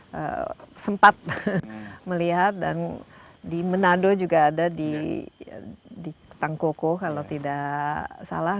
jadi ini tempat melihat dan di menado juga ada di tangkoko kalau tidak salah